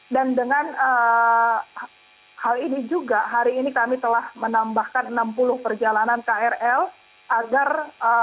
dan dengan hal ini juga hari ini kami telah menambahkan enam puluh perjalanan krl agar pengguna